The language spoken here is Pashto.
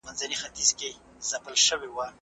د غریب سړي ږغ هیڅ اهمیت نه لري.